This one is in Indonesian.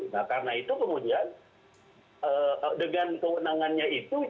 nah karena itu kemudian dengan kewenangannya itu